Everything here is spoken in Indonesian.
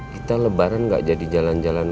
kita lebaran nggak jadi jalan jalan